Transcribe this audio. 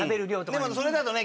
でもそれだとね